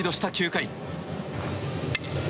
９回。